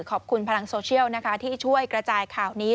ขอบคุณพลังโซเชียลที่ช่วยกระจายข่าวนี้